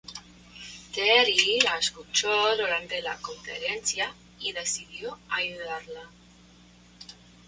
Terry la escuchó durante la conferencia y decidió ayudarla.